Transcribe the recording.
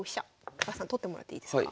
高橋さん取ってもらっていいですか？